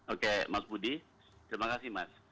oke mas budi terima kasih mas